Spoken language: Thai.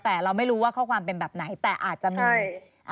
แต่เราไม่รู้ว่าข้อความเป็นแบบไหนแต่อาจจะมี